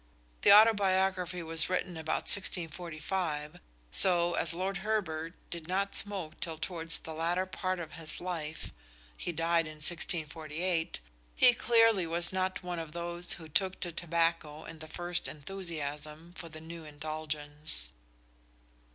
The autobiography was written about 1645, so as Lord Herbert did not smoke till towards the latter part of his life he died in 1648 he clearly was not one of those who took to tobacco in the first enthusiasm for the new indulgence.